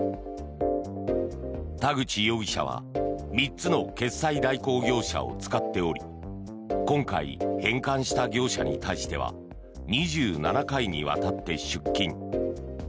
田口容疑者は３つの決済代行業者を使っており今回、返還した業者に対しては２７回にわたって出金。